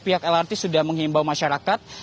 pihak lrt sudah menghimbau masyarakat